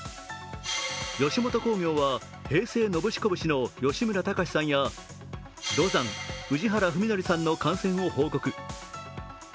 吉本興業は、平成ノブシコブシの吉村崇さんやロザン・宇治原史規さんの感染を報告。